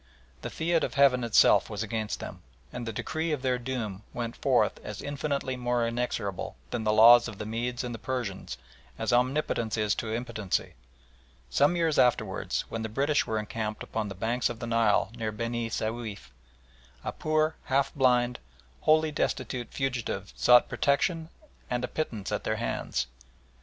The fiat of Heaven itself was against them, and the decree of their doom went forth as infinitely more inexorable than the laws of the Medes and the Persians as Omnipotence is to impotency. Some years afterwards, when the British were encamped upon the banks of the Nile near Beni Souif, a poor, half blind, wholly destitute fugitive sought protection and a pittance at their hands.